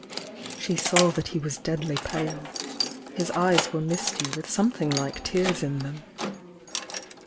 " She 89W that he was deadly pale — his eyes were misty with something like tears in them.